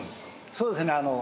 そうですね。